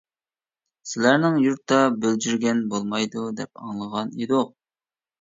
-سىلەرنىڭ يۇرتتا بۆلجۈرگەن بولمايدۇ دەپ ئاڭلىغان ئىدۇق!